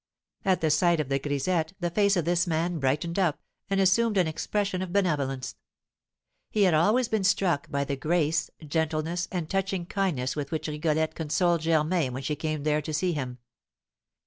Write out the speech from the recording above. At the sight of the grisette the face of this man brightened up, and assumed an expression of benevolence. He had always been struck by the grace, gentleness, and touching kindness with which Rigolette consoled Germain when she came there to see him.